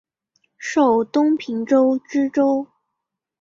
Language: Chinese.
授东平州知州。